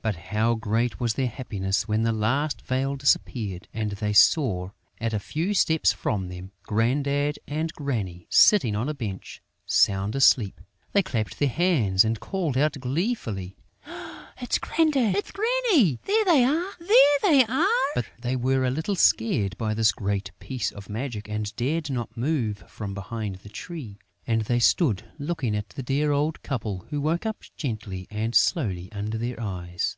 But how great was their happiness when the last veil disappeared and they saw, at a few steps from them, Grandad and Granny sitting on a bench, sound asleep. They clapped their hands and called out gleefully: "It's Grandad! It's Granny!... There they are! There they are!" But they were a little scared by this great piece of magic and dared not move from behind the tree; and they stood looking at the dear old couple, who woke up gently and slowly under their eyes.